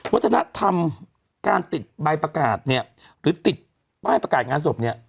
วัฒนธรรมการติดใบประกาศเนี่ยหรือติดป้ายประกาศงานศพเนี่ย